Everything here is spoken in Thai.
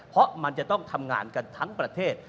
เพราะมันจะต้องทำงานกันทั้งประเทศ